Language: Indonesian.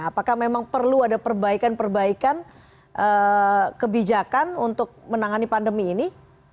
apakah memang perlu ada perbaikan perbaikan kebijakan untuk menangani pandemi ini